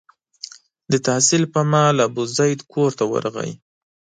د تحصیل پر مهال ابوزید کور ته ورغلی.